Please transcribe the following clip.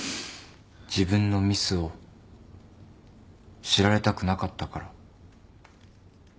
自分のミスを知られたくなかったから。